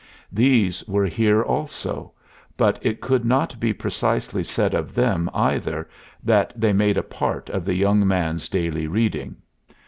These were here also; but it could not be precisely said of them, either, that they made a part of the young man's daily reading.